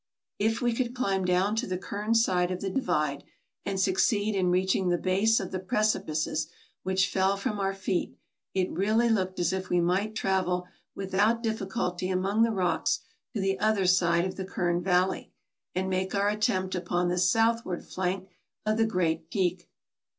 If we could climb down to the Kern side of the divide, and succeed in reaching the base of the precipices which fell from our feet, it really looked as if we might travel without difficulty among the rocks to the other side of the Kern Valley, and make our attempt upon the southward flank of the great AMERICA 113 peak.